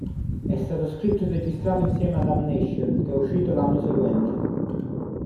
È stato scritto e registrato insieme a "Damnation" che è uscito l'anno seguente.